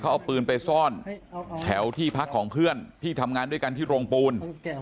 เอาปืนไปซ่อนแถวที่พักของเพื่อนที่ทำงานด้วยกันที่โรงปูน